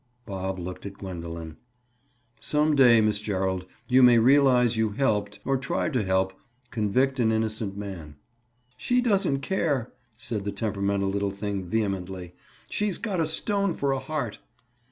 Bob looked at Gwendoline. "Some day, Miss Gerald, you may realize you helped, or tried to help, convict an innocent man." "She doesn't care," said the temperamental little thing vehemently. "She's got a stone for a heart."